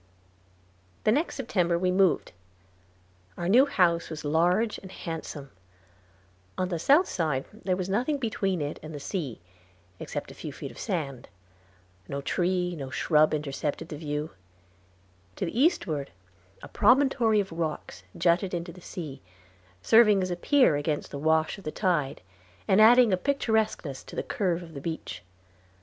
The next September we moved. Our new house was large and handsome. On the south side there was nothing between it and the sea, except a few feet of sand. No tree or shrub intercepted the view. To the eastward a promontory of rocks jutted into the sea, serving as a pier against the wash of the tide, and adding a picturesqueness to the curve of the beach.